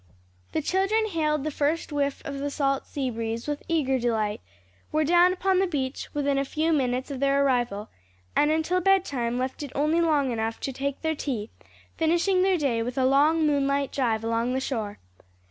The children hailed the first whiff of the salt sea breeze with eager delight, were down upon the beach within a few minutes of their arrival, and until bedtime left it only long enough to take their tea, finishing their day with a long moonlight drive along the shore.